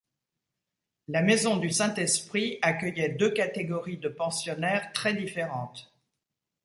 La maison du Saint-Esprit accueillait deux catégories de pensionnaires très différentes.